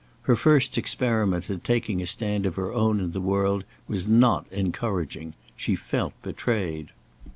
Her first experiment at taking a stand of her own in the world was not encouraging. She felt betrayed.